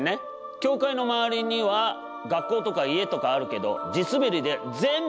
教会の周りには学校とか家とかあるけど地滑りで全部壊れちゃった。